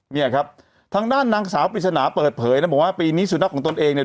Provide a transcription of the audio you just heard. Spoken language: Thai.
เนี่ยครับทางด้านนางสาวปริศนาเปิดเผยนะบอกว่าปีนี้สุนัขของตนเองเนี่ย